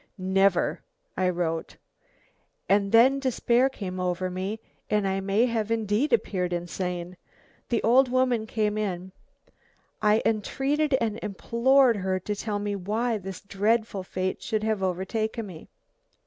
"'Never,' I wrote. And then despair came over me, and I may have indeed appeared insane. The old woman came in. I entreated and implored her to tell me why this dreadful fate should have overtaken me.